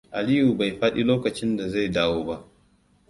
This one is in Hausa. Aliyu bai faɗi lokacin da zai dawo ba.